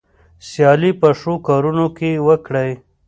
سیالي په ښو کارونو کې وکړئ.